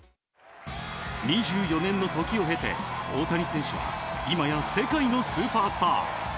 ２４年の時を経て大谷選手は今や世界のスーパースター。